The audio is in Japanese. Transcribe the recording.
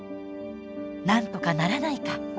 なんとかならないか。